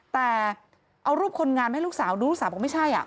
แต่เอารูปคนงามให้ลูกสาวดูลูกสาวบอกไม่ใช่